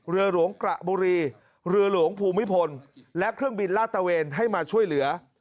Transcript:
เรือหลวงกระบุรีเรือหลวงภูมิพลและเครื่องบินลาดตะเวนให้มาช่วยเหลือ